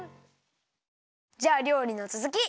じゃありょうりのつづき！